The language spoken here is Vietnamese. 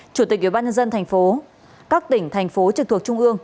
chủ tịch ủy ban nhân dân thành phố các tỉnh thành phố trực thuộc trung ương